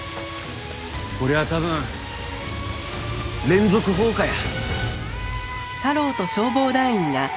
こりゃ多分連続放火や。